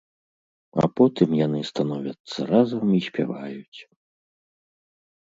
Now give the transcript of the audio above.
А потым яны становяцца разам і спяваюць.